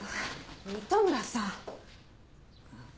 糸村さん。